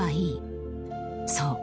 ［そう。